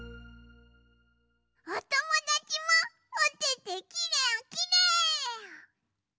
おともだちもおててきれいきれい！